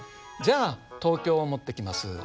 じゃあ東京を持ってきます。